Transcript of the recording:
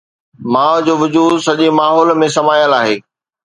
ماءُ جو وجود سڄي ماحول ۾ سمايل آهي.